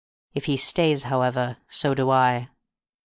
If he stays, however, so do I."